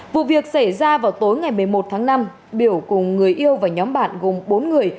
vụ việc xảy ra vào tối ngày một mươi một tháng năm biểu cùng người yêu và nhóm bạn gồm bốn người